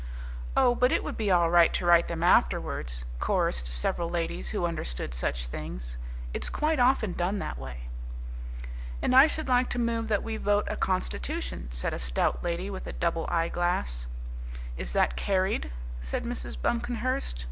"Oh, but it would be all right to write them afterwards," chorussed several ladies who understood such things; "it's quite often done that way." "And I should like to move that we vote a constitution," said a stout lady with a double eye glass. "Is that carried?" said Mrs. Buncomhearst.